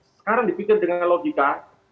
sekarang dipikir dengan logika